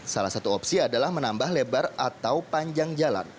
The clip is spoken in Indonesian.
satu satunya opsi adalah menambah lebar atau panjang jalan